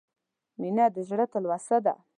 • مینه د زړه تلوسه ده.